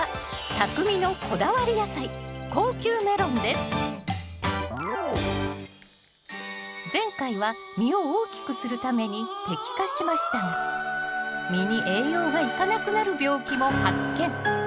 ここからは前回は実を大きくするために摘果しましたが実に栄養がいかなくなる病気も発見！